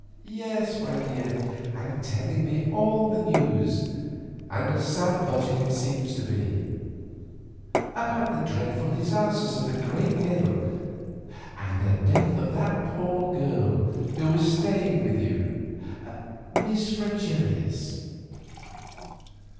"Yes, dear, and telling me all the news, and a sad budget it seems to be; about the dreadful disasters of the great gale and the death of that poor girl who was staying with you, Miss Fregelius."